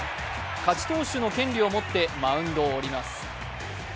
勝ち投手の権利を持ってマウンドを降ります。